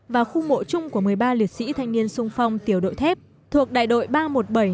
và khu mộ chung của một mươi ba liệt sĩ thanh niên sung phong tiểu đội thép thuộc đại đội ba trăm một mươi bảy n sáu mươi năm